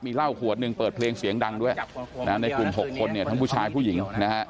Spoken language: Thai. มีเล่าขวดหนึ่งเปิดเพลงเสียงดังด้วยในกลุ่ม๖คนทั้งผู้ชายผู้หญิง